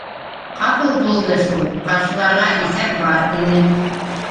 — Ҡапыл булды шул, ҡаршыларға иҫәп бар ине